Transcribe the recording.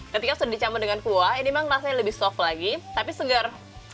ketika sudah dicampur dengan kuah ini memang rasanya lebih soft lagi tapi segar